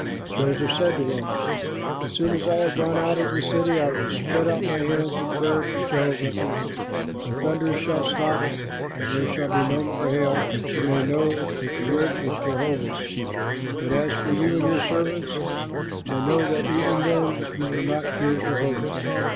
Moses said to him, "As soon as I have gone out of the city, I will spread out my hands in prayer to Jehovah; the thunders shall stop, and there shall be no more hail, that you may know that the earth is Jehovah's. But as for you and your servants, I know that even then you will not fear Jehovah."